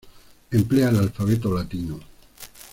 Emplea el alfabeto latino.